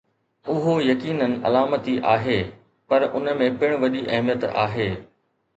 اهو يقيناً علامتي آهي، پر ان ۾ پڻ وڏي اهميت آهي.